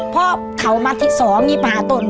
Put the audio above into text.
พ่อเผ่ามัดที่สองงี้หาต้น